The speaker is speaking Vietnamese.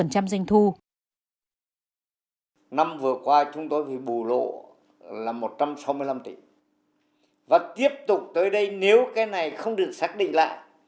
năm vừa qua chúng tôi bị bù lộ là một trăm sáu mươi năm tỷ và tiếp tục tới đây nếu cái này không được xác định lại